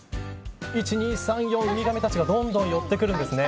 １、２、３、４ウミガメたちがどんどん寄ってくるんですね。